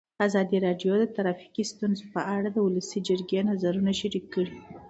ازادي راډیو د ټرافیکي ستونزې په اړه د ولسي جرګې نظرونه شریک کړي.